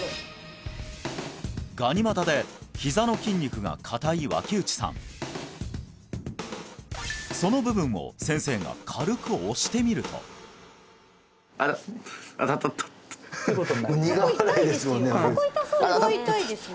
ガニ股でひざの筋肉が硬い脇内さんその部分を先生が軽く押してみるともう苦笑いですもんね